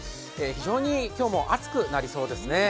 非常に今日も暑くなりそうですね。